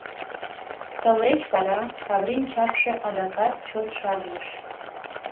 Тылеч вара Каврин чапше адакат чот шарлыш.